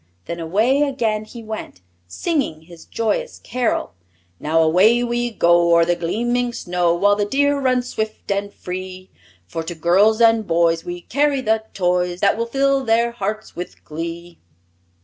Then away again he went, signing his joyous carol: "Now away we go O'er the gleaming snow, While the deer run swift and free! For to girls and boys We carry the toys That will fill their hearts with glee!"